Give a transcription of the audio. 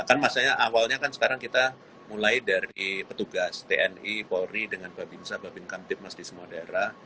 kan maksudnya awalnya kan sekarang kita mulai dari petugas tni polri dengan babinsa babin kamtipmas di semua daerah